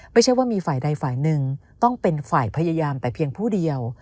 ไม่ใช่ว่ามีฝ่ายใดฝ่ายหนึ่งต้องเป็นฝ่ายพยายามแต่เพียงผู้เดียว